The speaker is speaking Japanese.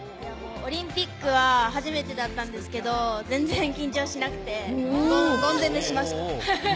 オリンピックは初めてだったんですけれど、全然緊張しなくて、ゴン攻めしました。